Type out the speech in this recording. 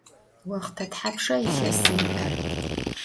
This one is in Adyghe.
Voxhte thapşşa yilhesım yi'er?